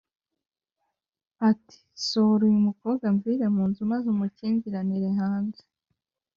ati “Sohora uyu mukobwa amvire mu nzu, maze umukingiranire hanze.”